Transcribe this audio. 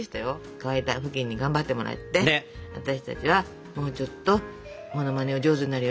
乾いたふきんに頑張ってもらって私たちはもうちょっとモノマネを上手になるように稽古しようかこの時間。